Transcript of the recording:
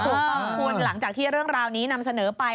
ถูกต้องคุณหลังจากที่เรื่องราวนี้นำเสนอไป